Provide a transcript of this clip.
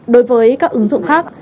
đối với các ứng dụng khác